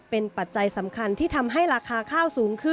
เป็นปัจจัยสำคัญที่ทำให้ราคาข้าวสูงขึ้น